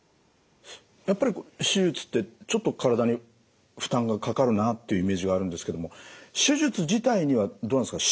やっぱり手術ってちょっと体に負担がかかるなっていうイメージがあるんですけども手術自体にはどうなんですか？